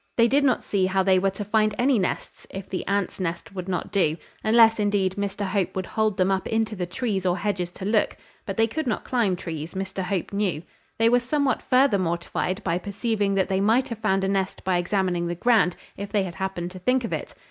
They did not see how they were to find any nests, if the ants' nest would not do; unless, indeed, Mr Hope would hold them up into the trees or hedges to look; but they could not climb trees, Mr Hope knew. They were somewhat further mortified by perceiving that they might have found a nest by examining the ground, if they had happened to think of it.